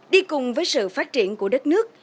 đi cùng với sự phát triển của đất nước